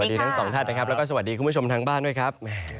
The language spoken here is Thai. ดีทั้งสองท่านนะครับแล้วก็สวัสดีคุณผู้ชมทางบ้านด้วยครับ